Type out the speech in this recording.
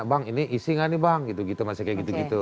bang ini isi gak nih bang gitu gitu masih kayak gitu gitu